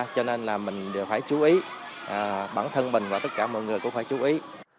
cho nên là mình đều phải chú ý bản thân mình và tất cả mọi người cũng phải chú ý